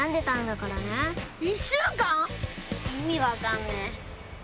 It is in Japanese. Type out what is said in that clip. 意味分かんねえ。